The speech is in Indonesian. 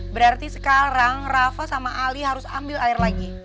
berarti sekarang rafa sama ali harus ambil air lagi